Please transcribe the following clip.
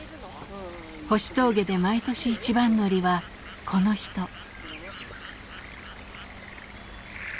星峠で毎年一番乗りはこの人。